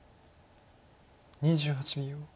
２８秒。